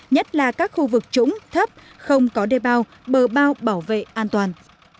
nhất là các khu vực trũng thấp không có đề bao bờ bao bảo vệ an toàn